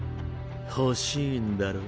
欲しいんだろ？